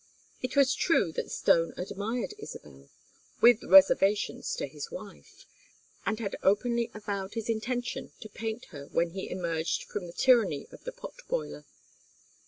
It was true that Stone admired Isabel with reservations to his wife and had openly avowed his intention to paint her when he emerged from the tyranny of the pot boiler.